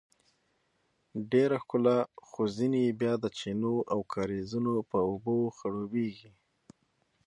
ډیره ښکلا خو ځینې یې بیا د چینو او کاریزونو په اوبو خړوبیږي.